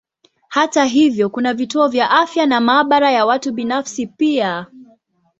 Hata hivyo kuna vituo vya afya na maabara ya watu binafsi pia.